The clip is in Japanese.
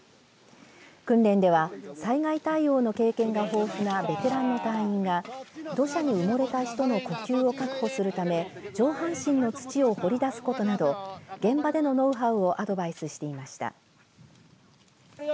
訓練では災害対応の経験が豊富なベテランの隊員が土砂に埋もれた人の呼吸を確保するため上半身の土を掘り出すことなど現場でのノウハウをアドバイスしていました。